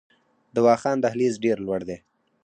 د واخان دهلیز ډیر لوړ دی